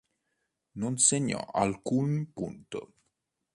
Non segnò alcun punto.